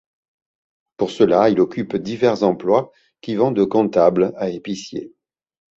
Pour cela il occupe divers emplois, qui vont de comptable à épicier.